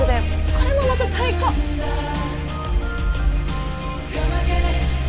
それもまた最高っ